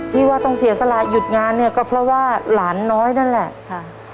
ที่ว่าต้องเสียสละหยุดงานเนี่ยก็เพราะว่าหลานน้อยนั่นแหละค่ะ